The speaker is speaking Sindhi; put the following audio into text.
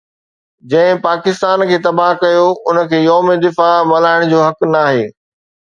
جنهن پاڪستان کي تباهه ڪيو ان کي يوم دفاع ملهائڻ جو حق ناهي